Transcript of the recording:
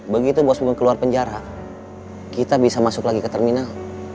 begitu bos keluar penjara kita bisa masuk lagi ke terminal